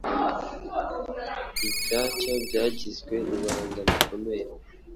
ibyacyo byagizwe ibanga rikomeye.